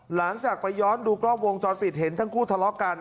หลังจากไปย้อนดูกล้องวงจรปิดเห็นทั้งคู่ทะเลาะกัน